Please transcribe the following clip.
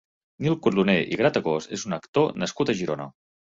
Nil Cardoner i Gratacós és un actor nascut a Girona.